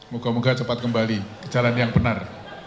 moga moga cepat kembali ke jalan yang benar